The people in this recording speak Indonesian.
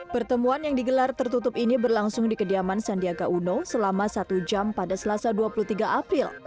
pertemuan yang digelar tertutup ini berlangsung di kediaman sandiaga uno selama satu jam pada selasa dua puluh tiga april